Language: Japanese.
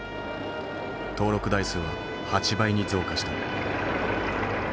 登録台数は８倍に増加した。